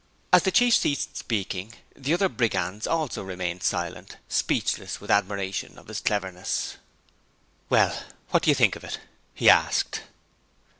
As the Chief ceased speaking, the other brigands also remained silent, speechless with admiration of his cleverness. 'Well, what do you think of it?' he asked.